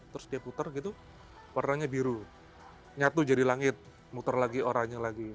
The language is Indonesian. terus dia puter gitu warnanya biru nyatu jadi langit muter lagi oranya lagi